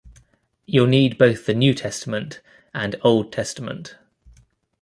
You’ll need both the New Testament and Old Testament.